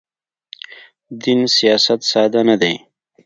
دین سیاست ساده نه دی.